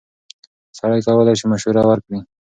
سړی کولی شي مشوره ورکړي.